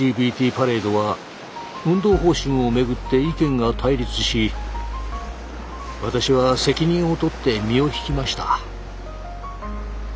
パレードは運動方針をめぐって意見が対立し私は責任を取って身を引きました。